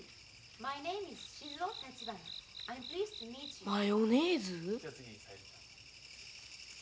マヨネーズ？